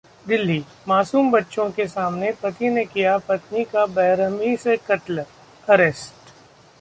दिल्लीः मासूम बच्चों के सामने पति ने किया पत्नी का बेरहमी से कत्ल, अरेस्ट